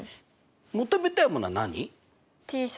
求めたいものは何？